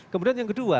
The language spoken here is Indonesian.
kemudian yang kedua